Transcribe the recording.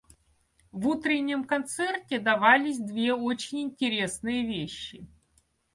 В утреннем концерте давались две очень интересные вещи.